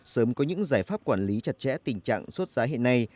sớm có những giải pháp quản lý chặt chẽ tình trạng xuất giá hiện nay